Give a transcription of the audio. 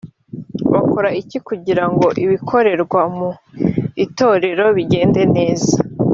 bakora iki kugira ngo ibikorerwa mu itorero bigende neza?